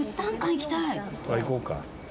行こうか。